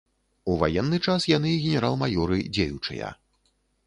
У ваенны час яны генерал-маёры дзеючыя.